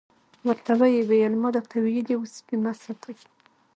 ورته ویې ویل ما درته ویلي وو سپي مه ساتئ.